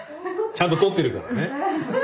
ちゃんと撮ってるからね。